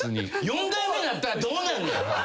四代目なったらどうなんねん。